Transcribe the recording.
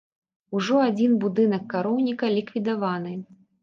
Ужо адзін будынак кароўніка ліквідаваны.